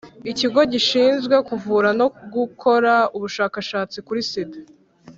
ikigo gishinzwe kuvura no gukora ubushakashatsi kuri sida